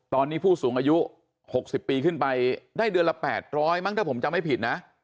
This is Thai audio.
ตอนนี้ผู้สูงอายุ๖๐ปีขึ้นไปได้เดือนละ๘๐๐มั้งถ้าผมจำไม่ผิดนะ